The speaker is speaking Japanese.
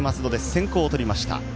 先攻をとりました。